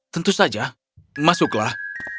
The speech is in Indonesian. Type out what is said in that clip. tentu saja masuklah